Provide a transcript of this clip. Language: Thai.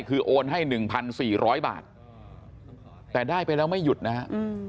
คือโอนให้๑๔๐๐บาทแต่ได้ไปแล้วไม่หยุดนะฮะ